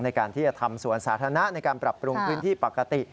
ในการที่จะทำสวนสาธารณะในการปรับปรุงพื้นที่ปกติ